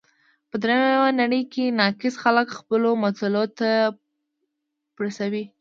په درېیمه نړۍ کې ناکس خلګ خپلو ملتو ته پړسوي.